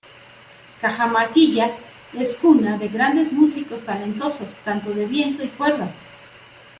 Cajamarquilla es cuna de grandes músicos talentosos tanto de viento y cuerdas.